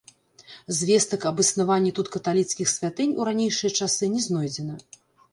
Звестак аб існаванні тут каталіцкіх святынь у ранейшыя часы не знойдзена.